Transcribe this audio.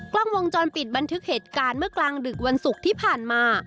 กล้องวงจรปิดบันทึกเหตุการณ์เมื่อกลางดึกวันศุกร์ที่ผ่านมา